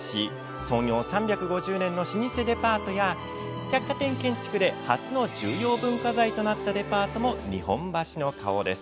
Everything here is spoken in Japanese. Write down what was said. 創業３５０年の老舗デパートや百貨店建築で初の重要文化財となったデパートも日本橋の顔です。